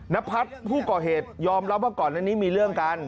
นพัฒน์ผู้ก่อเหตุยอมรับว่าก่อนอันนี้มีเรื่องกัน